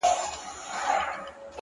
چا ويل ه ستا د لاس پر تندي څه ليـــكـلي-